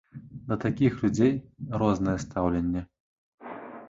Да такіх людзей рознае стаўленне.